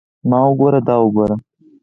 ما وګوره دا وګوره.